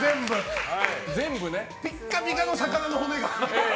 ピカピカの魚の骨が。